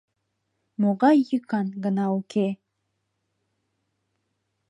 Могай йӱкан гына уке!